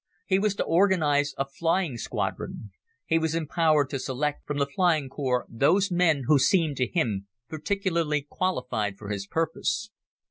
He was to organize a fighting squadron. He was empowered to select from the flying corps those men who seemed to him particularly qualified for his purpose.